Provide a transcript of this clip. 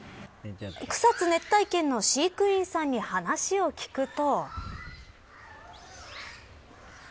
草津熱帯圏の飼育員さんに話を聞くと。